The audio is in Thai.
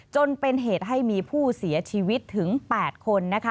จนเป็นเหตุให้มีผู้เสียชีวิตถึง๘คนนะคะ